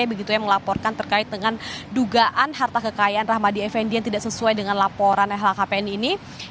begitu yang melaporkan terkait dengan dugaan harta kekayaan rahmadi effendi yang tidak sesuai dengan laporan lhkpn ini